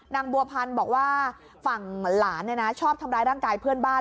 นางบัวพันธ์บอกว่าฝั่งหลานชอบทำร้ายร่างกายเพื่อนบ้าน